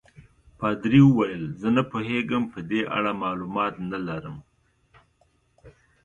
پادري وویل: زه نه پوهېږم، په دې اړه معلومات نه لرم.